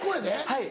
はい。